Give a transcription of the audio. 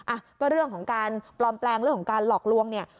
อ่ะก็เรื่องของการปลอมแปลงเรื่องของการหลอกลวงเนี่ย